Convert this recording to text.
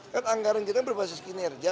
kan anggaran kita berbasis kinerja